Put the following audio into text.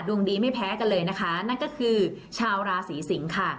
ดวงดีไม่แพ้กันเลยนะคะนั่นก็คือชาวราศีสิงค่ะ